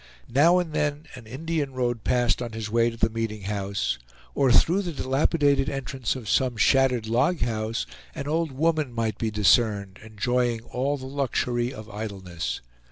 Now and then, an Indian rode past on his way to the meeting house, or through the dilapidated entrance of some shattered log house an old woman might be discerned, enjoying all the luxury of idleness.